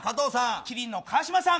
麒麟の川島さん。